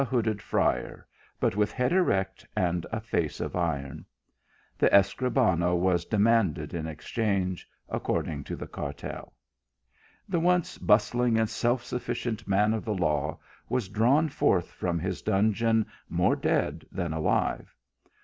249 hooded friar; but with head erect and a face of iron. The Escribano was demanded in exchange, accord ing to the cartel. The once bustling and self suf ficient man of the law was drawn forth from his dungeon, more dead than alive.